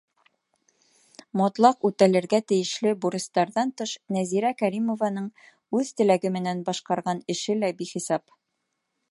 Мотлаҡ үтәлергә тейешле бурыстарҙан тыш, Нәзирә Кәримованың үҙ теләге менән башҡарған эше лә бихисап.